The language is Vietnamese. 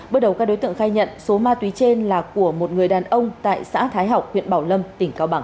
bước đầu các đối tượng khai nhận số ma túy trên là của một người đàn ông tại xã thái học huyện bảo lâm tỉnh cao bằng